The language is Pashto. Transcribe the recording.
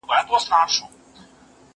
زه کتابتون ته تللی دی!!